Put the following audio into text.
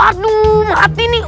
aduh mati nih